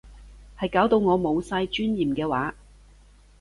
係搞到我冇晒尊嚴嘅話